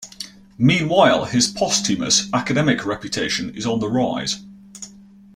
Meanwhile, his posthumous academic reputation is on the rise.